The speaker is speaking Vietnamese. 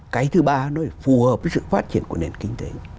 cái thứ ba nó phải phù hợp với sự phát triển của nền kinh tế